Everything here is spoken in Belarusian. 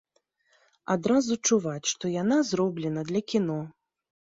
Адразу чуваць, што яна зроблена для кіно.